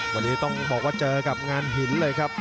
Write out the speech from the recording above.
วันนี้ต้องบอกว่าเจอกับงานหินเลยครับ